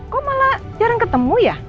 kok malah jarang ketemu ya